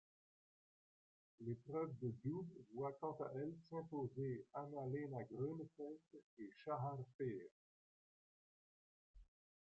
L'épreuve de double voit quant à elle s'imposer Anna-Lena Grönefeld et Shahar Peer.